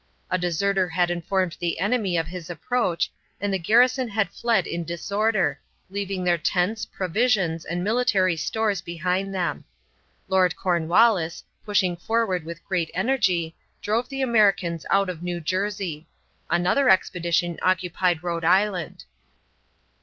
A deserter had informed the enemy of his approach and the garrison had fled in disorder, leaving their tents, provisions, and military stores behind them. Lord Cornwallis, pushing forward with great energy, drove the Americans out of New Jersey. Another expedition occupied Rhode Island.